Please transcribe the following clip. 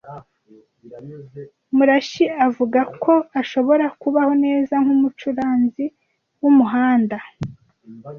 Murashyi avuga ko ashobora kubaho neza nkumucuranzi wumuhanda.